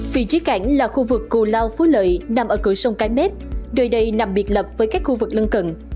vị trí cảng là khu vực cù lao phú lợi nằm ở cửa sông cái mép nơi đây nằm biệt lập với các khu vực lân cận